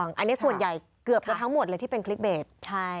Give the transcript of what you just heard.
อันนี้ส่วนใหญ่แค่เป็นทั้งหมวดที่เป็นคลิกเบส